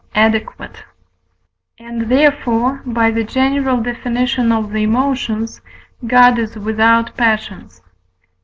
adequate; and therefore (by the general Def. of the Emotions) God is without passions.